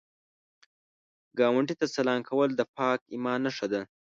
ګاونډي ته سلام کول د پاک ایمان نښه ده